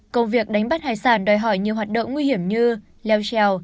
công việc đánh bắt hải sản đòi hỏi nhiều hoạt động nguy hiểm như leo trèo